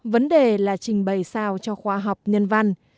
vấn đề là trình bày sao cho khoa học nhân văn